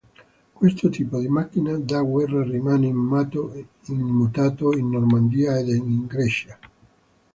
Questo tipo di macchina da guerra rimane immutato in Normandia ed in Grecia.